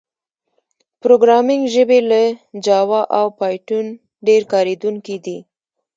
پروګرامینګ ژبې لکه جاوا او پایتون ډېر کارېدونکي دي.